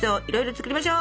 作りましょう！